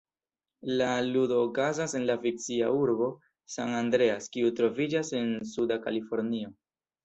La ludo okazas en la fikcia urbo San Andreas, kiu troviĝas en Suda Kalifornio.